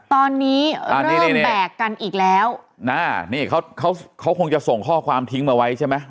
ตอนนี้เริ่มแบกกันอีกแล้วอ่านี่เขาเขาคงจะส่งข้อความทิ้งมาไว้ใช่ไหม